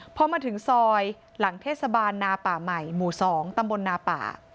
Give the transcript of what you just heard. พอมาถึงซอยหลังเทศบาลนาป่าใหม่หมู่๒ตำบลนาป่า